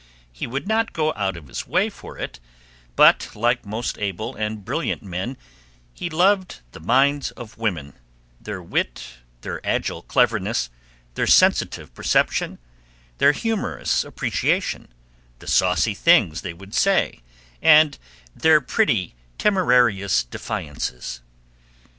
He would not go out of his way for it, but like most able and brilliant men he loved the minds of women, their wit, their agile cleverness, their sensitive perception, their humorous appreciation, the saucy things they would say, and their pretty, temerarious defiances.